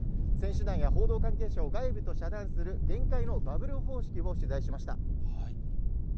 選手団や報道関係者を外部と遮断する厳戒のバブル方式を取材しま